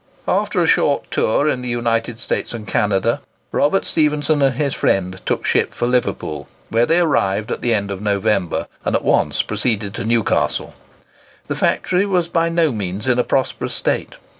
After a short tour in the United States and Canada, Robert Stephenson and his friend took ship for Liverpool, where they arrived at the end of November, and at once proceeded to Newcastle. The factory was by no means in a prosperous state.